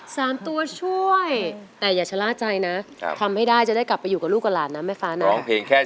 สามตัวช่วยแต่อย่าชะละใจนะครับทำให้ได้จะได้กลับไปอยู่กับลูกก่อน